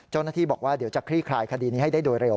เจ้าหน้าที่บอกว่าเดี๋ยวจะคลี่คลายคดีนี้ให้ได้โดยเร็ว